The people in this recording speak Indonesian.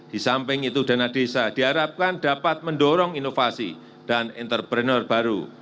di samping itu dana desa diharapkan dapat mendorong inovasi dan entrepreneur baru